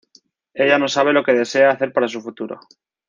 Ella no sabe lo que desea hacer para su futuro.